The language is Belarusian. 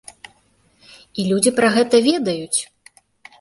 І людзі пра гэта ведаюць!